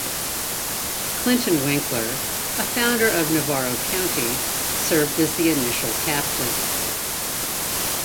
Clinton Winkler, a founder of Navarro County, served as the initial captain.